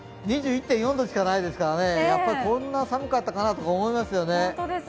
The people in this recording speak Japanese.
２１．４度しかないですからね、こんな寒かったかなと思いますよね。